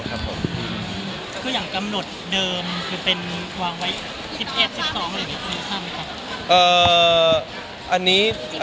อย่างกำหนดเดิมคือวางไว้๑๑๑๒หรือ๑๓ค่ะ